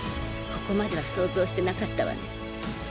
ここまでは想像してなかったわね。